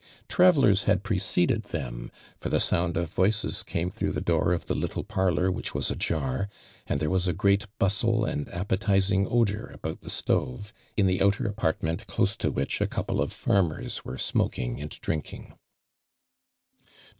Travellers had jireceded them, for the sound of voices came through the door of the httle parlor wJiich was ajar, and there was a great i)U8tle and appetizing odor about the stove, iji the outer apartment close to which a couple of farmei s were <«moking and drink ing.